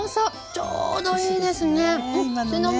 ちょうどいいですね。